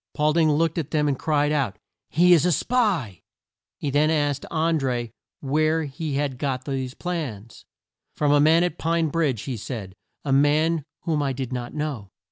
Paul ding looked at them and cried out, "He is a spy!" He then asked An dré where he had got these plans. "From a man at Pine Bridge" he said; "a man whom I did not know."